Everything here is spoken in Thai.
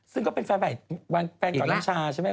ซึ่งก็เป็นแฟนใหม่แฟนเก่าน้ำชาใช่ไหม